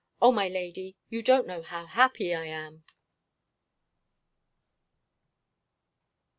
O, my lady, you don't know how happy I am!